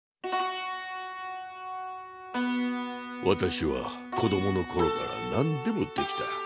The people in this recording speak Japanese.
私は子供の頃から何でもできた。